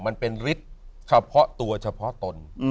มันเป็นฤทธิ์เฉพาะตัวเฉพาะตน